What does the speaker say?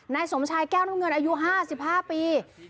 นายสมชายแก้วน้ำเงินอายุ๕๕ปี